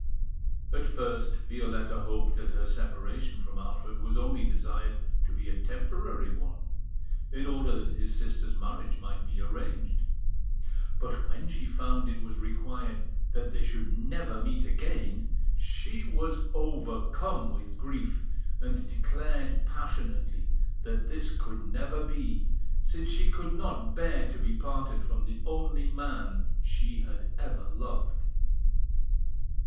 At first, Violetta hoped that her separation from Alfred was only desired to be a temporary one, in order that his sister's marriage might be arranged; but when she found it was required that they should never meet again, she was overcome with grief, and declared passionately that this could never be, since she could not bear to be parted from the only man she had ever loved.